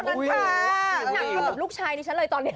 หนักเหลือเหมือนลูกชายนี่ฉันเลยตอนนี้